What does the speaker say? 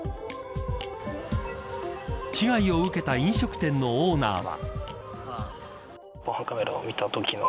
被害を受けた飲食店のオーナーは。